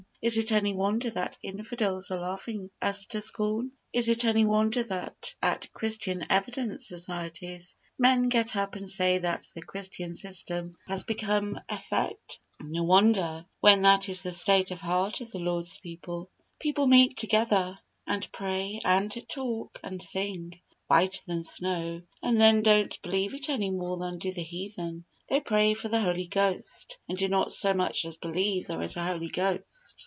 Is it any wonder that infidels are laughing us to scorn? Is it any wonder that at Christian Evidence Societies men get up and say that the Christian system has become effete? No wonder, when that is the state of heart of the Lord's people. People meet together, and pray, and talk, and sing "Whiter than snow," and they don't believe it any more than do the heathen. They pray for the Holy Ghost, and do not so much as believe there is a Holy Ghost.